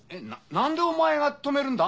なんでお前が止めるんだ？